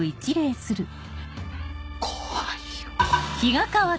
怖いよ。